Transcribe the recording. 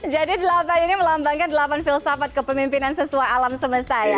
jadi delapan ini melambangkan delapan filsafat kepemimpinan sesuai alam semestanya